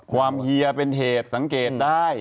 เฮียเป็นเหตุสังเกตได้